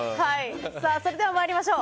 それでは参りましょう。